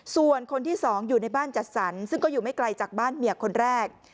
ส่วนคนที่๒อยู่ในบ้านจัดสรรซึ่งก็อยู่ไม่ไกลจากบ้านเมียคนแรก